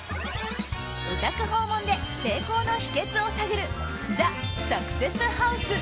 お宅訪問で成功の秘訣を探るＴＨＥサクセスハウス